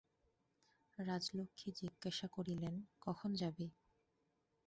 রাজলক্ষ্মী জিজ্ঞাসা করিলেন, কখন যাবি।